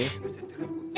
yuk duduk aja